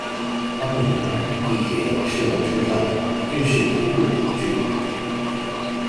它们与曼谷地铁的是隆车站均是徙步可至。